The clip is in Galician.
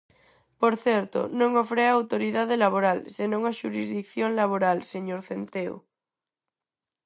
Por certo, non o frea a autoridade laboral senón a xurisdición laboral, señor Centeo.